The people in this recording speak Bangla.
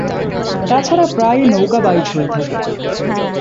তাছাড়া প্রায়ই নৌকা বাইচ হয়ে থাকে।